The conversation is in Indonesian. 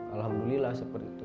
alhamdulillah seperti itu